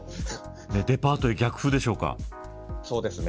デパートへ逆風でしょうか。